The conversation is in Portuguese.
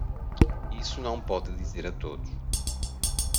Isso não pode dizer a todos